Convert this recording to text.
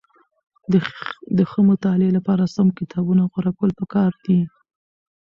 د ښه مطالعې لپاره سم کتابونه غوره کول پکار دي.